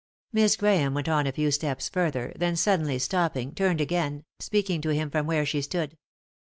Miss Grahame went on a few steps further, then suddenly stopping, turned again, speaking to him from where she stood.